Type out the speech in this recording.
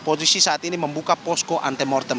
polisi saat ini membuka posko antemortem